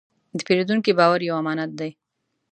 د پیرودونکي باور یو امانت دی.